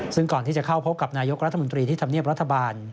ซึ่งก่อนที่จะเข้าพบกับนายกรัฐมนตรีที่ทำเนียบรัฐบาล